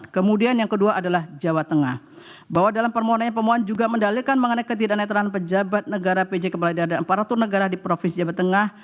kemudian yang kedua adalah jawa tengah bahwa dalam permohonan pemohon juga mendalilkan mengenai ketidak netralan pejabat negara pj kepala daerah aparatur negara di provinsi jawa tengah